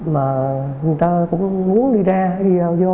mà người ta cũng muốn đi ra đi vào vô